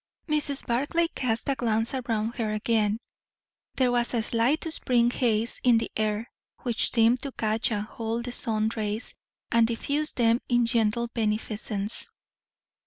Mrs. Barclay cast a glance around her again. There was a slight spring haze in the air, which seemed to catch and hold the sun's rays and diffuse them in gentle beneficence.